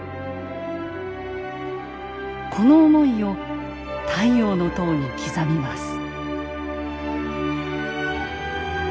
この思いを「太陽の塔」に刻みます。